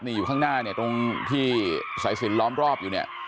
นี่อยู่ข้างหน้าเนี่ยตรงที่สายสินล้อมรอบอยู่เนี่ย